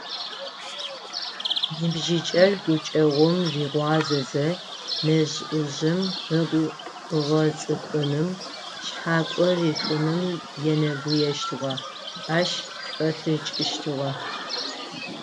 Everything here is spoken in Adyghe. Ныбжьыкӏэр гукӏэгъум рыгъуазэзэ, нэжъ-ӏужъым ыгу ыгъэцӏыкӏуным, шъхьакӏо рихыным енэгуещтыгъэ, ащ шӏолӏыкӏыщтыгъэ.